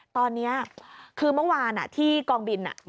ตอนนี้คือเมื่อวานที่กองบิน